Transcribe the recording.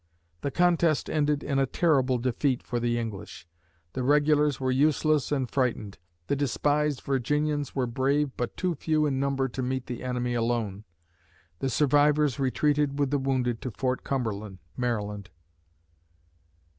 The contest ended in a terrible defeat for the English. The regulars were useless and frightened. The despised Virginians were brave but too few in number to meet the enemy alone. The survivors retreated with the wounded to Fort Cumberland (Maryland).